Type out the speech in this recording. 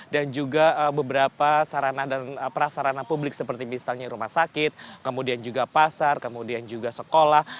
dan juga beberapa sarana dan prasarana publik seperti misalnya rumah sakit kemudian juga pasar kemudian juga sekolah